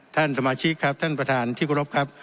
ท่านสมาชิกครับท่านประธานที่กรบครับ